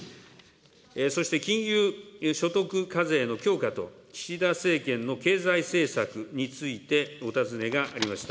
そして金融所得課税の強化と岸田政権の経済政策についてお尋ねがありました。